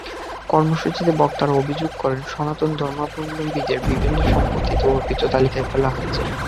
কর্মসূচিতে বক্তারা অভিযোগ করেন, সনাতন ধর্মাবলম্বীদের বিভিন্ন সম্পত্তিকে অর্পিত তালিকায় ফেলা হচ্ছে।